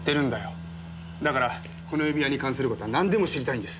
だからこの指輪に関する事はなんでも知りたいんです。